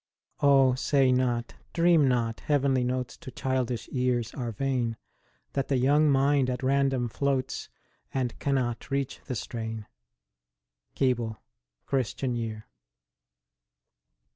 Oh ! say not, dream not, heavenly notes To childish ears are vain That the young mind at random floats, And cannot reach the strain ! KKBLK : Christian Year.